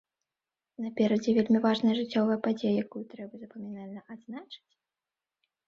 Наперадзе вельмі важная жыццёвая падзея, якую трэба запамінальна адзначыць?